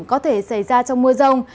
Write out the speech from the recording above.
có thể xảy ra trong mưa rông